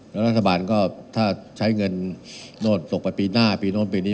แล้วรัฐบาลก็ถ้าใช้เงินโน่นตกไปปีหน้าปีโน้นปีนี้